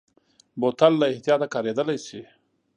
بوتل له احتیاطه کارېدلی شي.